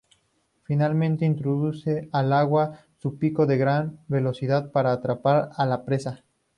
Finalmente introduce al agua su pico con gran velocidad para atrapar a la presa.